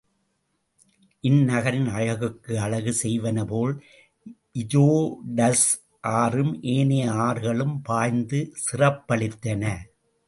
இந்நகரின் ஆழகுக்கு அழகு செய்வனபோல் இரோடஸ் ஆறும் ஏனைய ஆறுகளும் பாய்ந்து சிறப்பளித்தன.